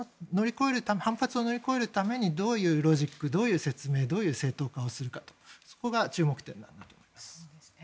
反発を乗り越えるためにどういうロジックどういう説明どういう正当化をするかそこが注目点となります。